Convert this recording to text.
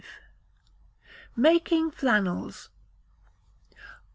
Making Flannels.